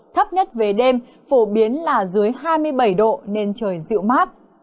thấp nhất về đêm phổ biến là dưới hai mươi bảy độ nên trời dịu mát